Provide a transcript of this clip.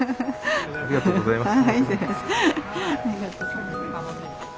ありがとうございます。